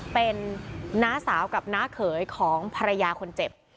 เป็นน้าสาวกับน้าเขยของภรรยาคนเจ็บ